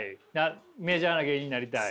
メジャーな芸人になりたい。